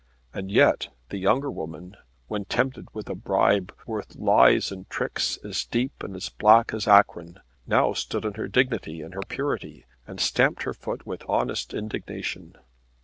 And yet the younger woman, when tempted with a bribe worth lies and tricks as deep and as black as Acheron, now stood on her dignity and her purity and stamped her foot with honest indignation!